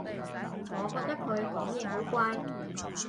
我覺得佢講嘢好怪